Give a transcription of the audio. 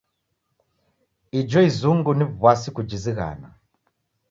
Ijo izungu ni w'asi kujizighana.